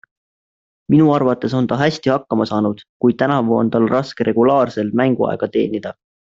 Minu arvates on ta hästi hakkama saanud, kuid tänavu on tal raske regulaarselt mänguaega teenida.